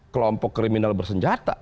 kelompok kriminal bersenjata